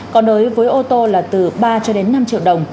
còn đối với ô tô là từ ba năm triệu đồng